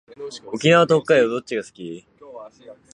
沖縄と北海道どっちが好き？